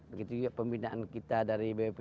begitu juga pembinaan kita